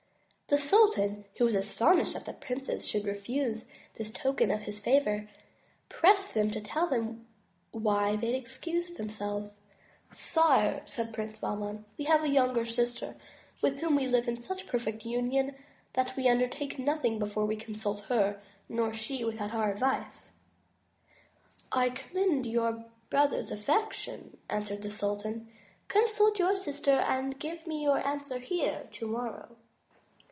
The sultan, who was astonished that the princes should refuse this token of his favor, pressed them to tell him why they excused themselves. Sire,'' said Prince Bahman, ''we have a younger sister, with whom we live in such perfect union that we under take nothing before we consult her, nor she without our advice." *'I commend your brotherly affection," answered the sultan. "Consult your sister, and give me your answer here tomorrow."